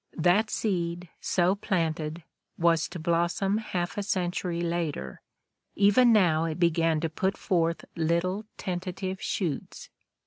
That seed, so planted, was to blossom half a century later: even now it began to put forth little tentative shoots.